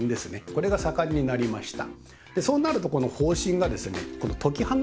これが盛んになりました。